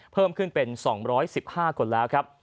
เพิ่มขึ้นเป็น๒๑๕คนแล้วครับ